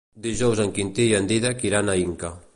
Dijous en Quintí i en Dídac iran a Inca.